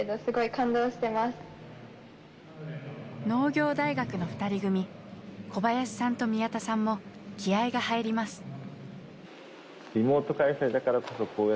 農業大学の２人組小林さんと宮田さんも気合いが入ります。